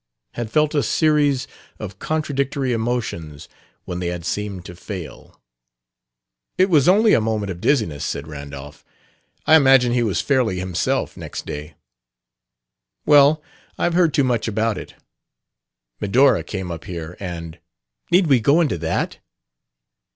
had felt a series of contradictory emotions when they had seemed to fail.... "It was only a moment of dizziness," said Randolph. "I imagine he was fairly himself next day." "Well, I've heard too much about it. Medora came up here and " "Need we go into that?"